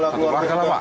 satu keluarga lah pak